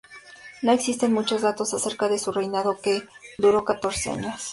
No existen muchos datos acerca de su reinado, que duró catorce años.